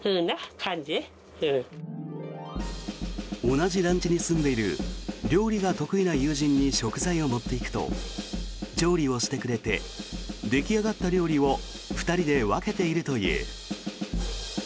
同じ団地に住んでいる料理が得意な友人に食材を持っていくと調理をしてくれて出来上がった料理を２人で分けているという。